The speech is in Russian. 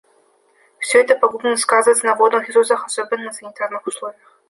Все это пагубно сказывается на водных ресурсах, особенно на санитарных условиях.